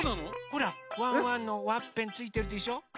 ほらワンワンのワッペンついてるでしょ。